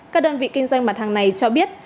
các đơn vị kinh doanh mặt hàng này cho biết